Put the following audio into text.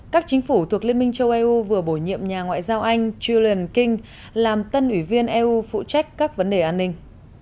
các chính phủ thuộc liên minh châu âu vừa bổ nhiệm nhà ngoại giao anh julen king làm tân ủy viên eu phụ trách các vấn đề an ninh